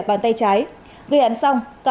bàn tay trái gây hắn xong